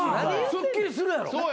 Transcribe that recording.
すっきりするやろ。